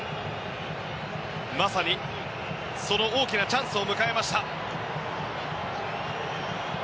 まさにその大きなチャンスを迎えました。